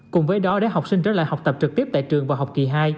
cùng với đó để học sinh trở lại học tập trực tiếp tại trường và học kỳ hai